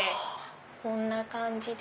こんな感じで。